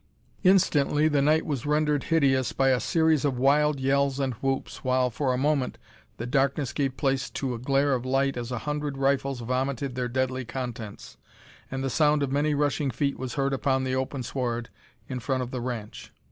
Instantly the night was rendered hideous by a series of wild yells and whoops, while, for a moment, the darkness gave place to a glare of light as a hundred rifles vomited their deadly contents, and the sound of many rushing feet was heard upon the open sward in front of the ranch.